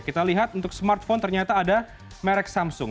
kita lihat untuk smartphone ternyata ada merek samsung